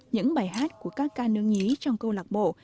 những bài hát của các ca nương nhí trong câu lạc bộ